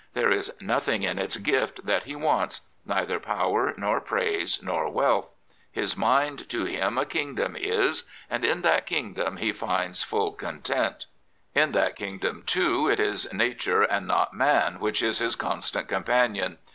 There is nothing in its gift that he wants — neither power^ nor praise, nor wealth, " His mind to him a kingdom is/^ Sind in that kingdom he finds full content. In tliat kingdom, too, it is nature and not man which is his constant companion.